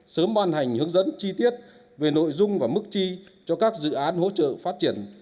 sớm ban hành hướng dẫn chi tiết về nội dung và mức chi cho các dự án hỗ trợ phát triển